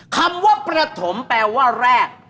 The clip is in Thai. คำว่าประถมแปลว่าแรก